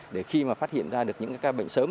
để khi mà phát hiện ra được những ca bệnh sớm